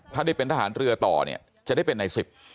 ถ้าได้เป็นทหารเรือต่อเนี่ยจะได้เป็นในสิบ